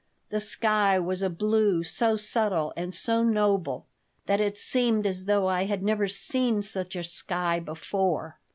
The sky was a blue so subtle and so noble that it seemed as though I had never seen such a sky before.